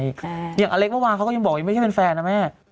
อย่างอเล็กเมื่อวานเขาก็ยังบอกว่าไม่ใช่เป็นแฟนนะแม่